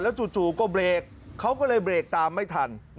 จู่ก็เบรกเขาก็เลยเบรกตามไม่ทัน